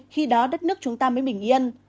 khi đó đất nước chúng ta mới bình yên